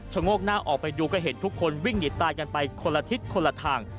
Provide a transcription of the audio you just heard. โงกหน้าออกไปดูก็เห็นทุกคนวิ่งหนีตายกันไปคนละทิศคนละทาง